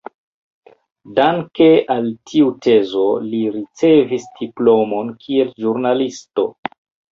Danke al tiu tezo li ricevis diplomon kiel ĵurnalisto.